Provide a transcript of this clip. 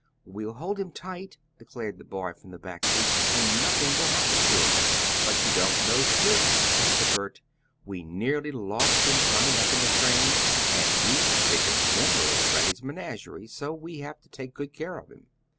"We'll hold him tight," declared the boy from the back seat, "and nothing will happen to him." "But you don't know Snoop," insisted Bert. "We nearly lost him coming up in the train, and he's the biggest member of Freddie's menagerie, so we have to take good care of him."